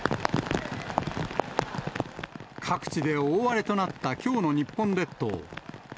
各地で大荒れとなったきょうの日本列島。